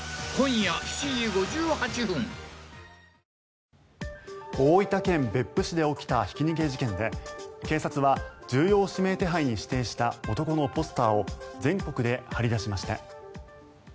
ペイトク大分県別府市で起きたひき逃げ事件で警察は、重要指名手配に指定した男のポスターを全国で貼り出しました。